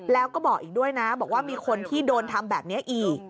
แล้วก็บอกอีกด้วยนะบอกว่ามีคนที่โดนทำแบบนี้อีก